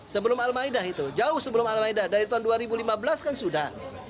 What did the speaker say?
sebelum almayun itu jauh sebelum almayun dari tahun dua ribu lima belas kan sudah